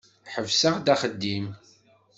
Ḥebseɣ-d axeddim.